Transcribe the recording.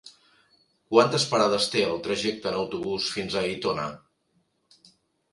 Quantes parades té el trajecte en autobús fins a Aitona?